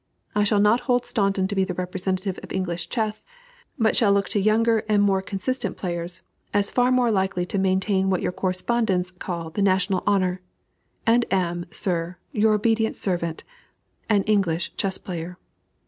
I shall not hold Staunton to be the representative of English chess, but shall look to younger and more consistent players as far more likely to maintain what your correspondents call the national honor, and am, sir, your obedient servant, AN ENGLISH CHESS PLAYER.